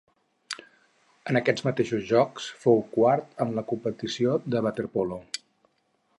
En aquests mateixos Jocs fou quart en la competició de waterpolo.